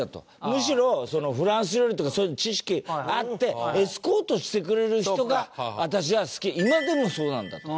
「むしろフランス料理とかそういう知識あってエスコートしてくれる人が私は好き」「今でもそうなんだ」と。